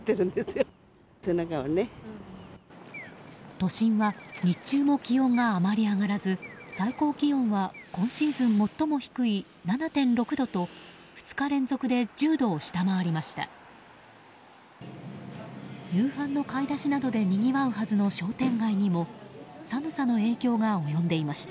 都心は日中も気温があまり上がらず最高気温は今シーズン最も低い７．６度と２日連続で１０度を下回りました。